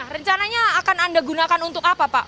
rencananya akan anda gunakan untuk apa pak